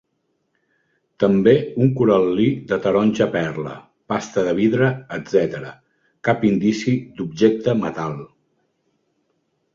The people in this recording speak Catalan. També un coral·lí de taronja perla, pasta de vidre, etc. Cap indici d'objecte metal.